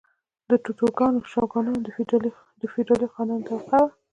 د توکوګاوا شوګانان د فیوډالي خانانو طبقه وه.